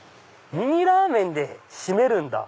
ミニラーメンで締めるんだ！